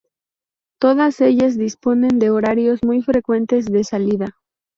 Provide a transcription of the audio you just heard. Todas ellas disponen de horarios muy frecuentes de salida.